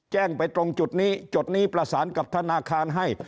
แจ้งไปตรงจุดนี้จุดนี้ประสานกับธนาคารให้